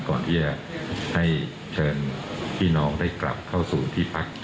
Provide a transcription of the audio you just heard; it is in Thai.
ก่อนที่จะให้เชิญพี่น้องได้กลับเข้าสู่ที่พัก